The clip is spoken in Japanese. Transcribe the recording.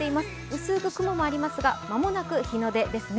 薄く雲もありますが、まもなく日の出ですね。